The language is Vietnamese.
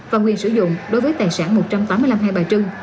và quyền sử dụng đối với tài sản một trăm tám mươi năm hai bà trưng